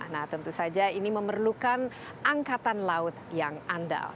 nah tentu saja ini memerlukan angkatan laut yang andal